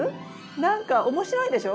何か面白いでしょ？